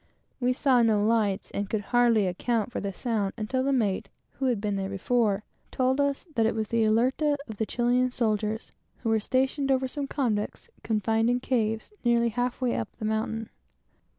We saw no lights, and could hardly account for the sound, until the mate, who had been there before, told us that it was the "Alerta" of the Spanish soldiers, who were stationed over some convicts confined in caves nearly halfway up the mountain.